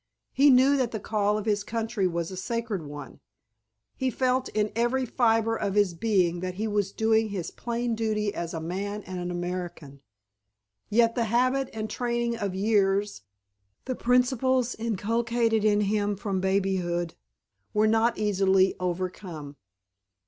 He knew that the call of his country was a sacred one. He felt in every fibre of his being that he was doing his plain duty as a man and an American. Yet the habit and training of years, the principles inculcated in him from babyhood, were not easily overcome.